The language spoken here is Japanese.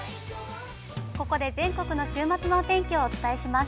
◆ここで、全国の週末のお天気をお伝えします。